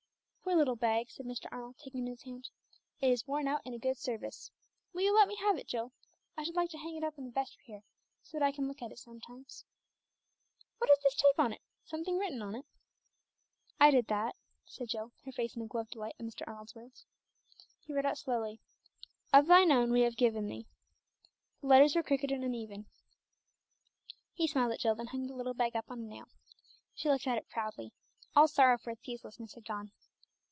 "Poor little bag!" said Mr. Arnold, taking it in his hand. "It is worn out in a good service. Will you let me have it, Jill? I should like to hang it up in the vestry here, so that I can look at it sometimes. What is this tape on it? Something written on it." "I did that," said Jill, her face in a glow of delight at Mr. Arnold's words. He read out slowly "Of Thine own have we given Thee." The letters were crooked and uneven. He smiled at Jill, then hung the little bag up on a nail. She looked at it proudly. All sorrow for its uselessness had gone.